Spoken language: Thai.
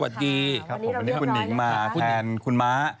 วันนี้อยู่กับคุณนิงมาแทนคุณม้า